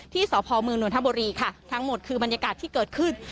สพเมืองนวลธบุรีค่ะทั้งหมดคือบรรยากาศที่เกิดขึ้น